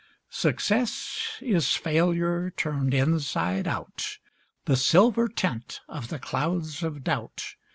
Success is failure turned inside out— The silver tint of the clouds of doubt.